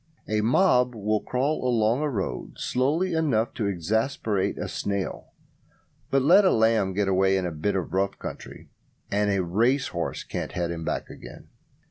A mob will crawl along a road slowly enough to exasperate a snail, but let a lamb get away in a bit of rough country, and a racehorse can't head him back again.